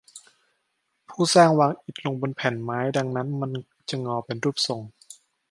ผู้สร้างวางอิฐลงบนแผ่นไม้ดังนั้นมันจะงอเป็นรูปทรง